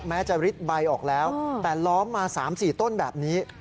แม้จะริดใบออกแล้วแต่ล้อมมา๓๔ต้นแบบนี้